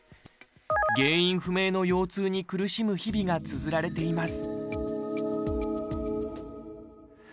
原因不明の腰痛に苦しむ日々がつづられています